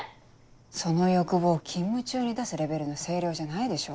その欲望勤務中に出すレベルの声量じゃないでしょ。